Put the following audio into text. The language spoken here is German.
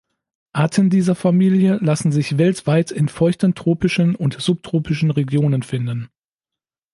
Arten dieser Familie lassen sich weltweit in feuchten tropischen und subtropischen Regionen finden.